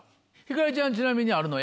星ちゃんちなみにあるの？